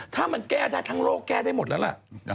ถ้ามันแก้ได้ทั้งโลกแก้ได้หมดแล้วล่ะ